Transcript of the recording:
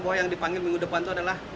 bahwa yang dipanggil minggu depan itu adalah